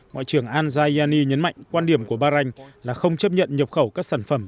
ngoại trưởng al zayani nhấn mạnh quan điểm của bahrain là không chấp nhận nhập khẩu các sản phẩm